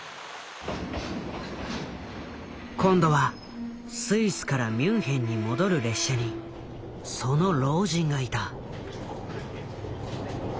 今度はスイスからミュンヘンに戻る列車にその老人がいた。